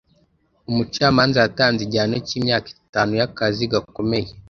umucamanza yatanze igihano cy'imyaka itanu y'akazi gakomeye